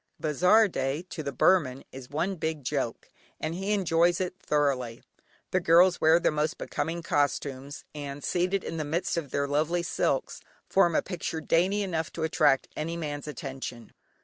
"Bazaar day," to the Burman is one big joke, and he enjoys it thoroughly. The girls wear their most becoming costumes, and seated in the midst of their lovely silks, form a picture dainty enough to attract any man's attention.